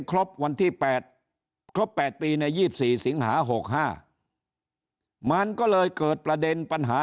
ครบวันที่๘ครบ๘ปีใน๒๔สิงหา๖๕มันก็เลยเกิดประเด็นปัญหา